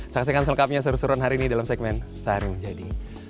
saksikan selengkapnya seru seruan hari ini dalam segmen sehari menjadi